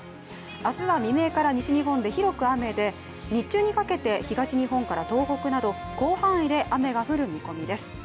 明日は明から西日本で広く雨で、日中かにかけて東日本から東北など広範囲で雨が降る見込みです。